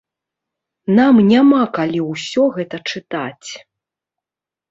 Нам няма калі ўсё гэта чытаць.